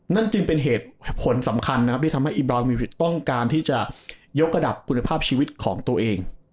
นั่นจึงเป็นเหตุผลสำคัญนะครับที่ทำให้อีบรามิกต้องการที่จะยกระดับคุณภาพชีวิตของตัวเอง